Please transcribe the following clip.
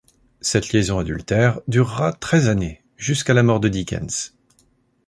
Cette liaison adultère durera treize années, jusqu'à la mort de Dickens.